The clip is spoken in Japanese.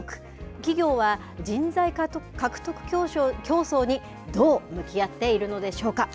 企業は人材獲得競争にどう向き合っているのでしょうか。